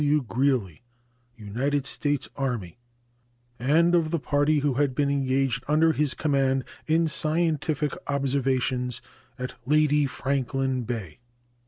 W. Greely, United States Army, and of the party who had been engaged under his command in scientific observations at Lady Franklin Bay.